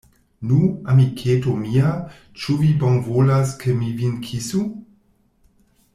Nu, amiketo mia, ĉu vi bonvolas, ke mi vin kisu?